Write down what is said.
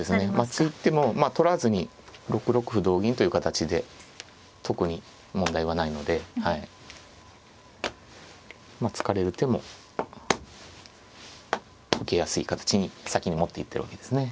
突いても取らずに６六歩同銀という形で特に問題はないので突かれる手も受けやすい形に先に持っていってるわけですね。